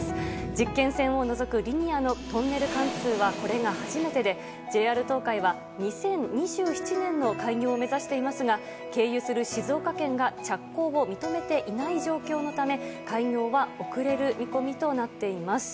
実験線を除くリニアのトンネル貫通はこれが初めてでＪＲ東海は２０２７年の開業を目指していますが経由する静岡県が着工を認めていない状況のため開業は遅れる見込みとなっています。